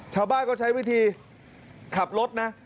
ชาวบ้านก็ใช้วิธีขับรถนะ